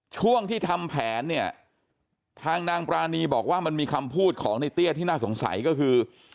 ช่วงที่ทำแผนเนี่ยทางนางปรานีบอกว่ามันมีคำพูดของในเตี้ยที่น่าสงสัยก็คือ